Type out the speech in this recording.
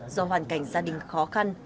do hoàn cảnh gia đình khó khăn